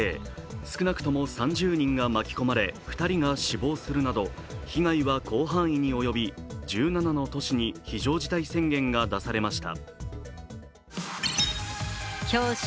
少なくとも３０人が巻き込まれ２人が死亡するなど被害は広範囲に及び１７の都市に非常事態宣言が出されました。